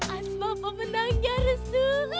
asma pemenangnya restu